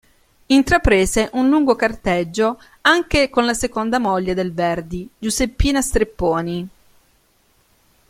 Intraprese un lungo carteggio anche con la seconda moglie del Verdi, Giuseppina Strepponi.